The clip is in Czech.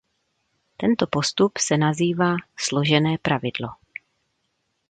Tento postup se nazývá "složené pravidlo".